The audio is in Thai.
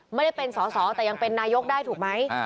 ไม่ได้เป็นสอสอแต่ยังเป็นนายกได้ถูกไหม